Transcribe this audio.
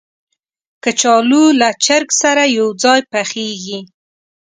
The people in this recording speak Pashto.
کچالو له چرګ سره یو ځای پخېږي